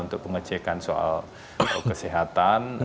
untuk pengecekan soal kesehatan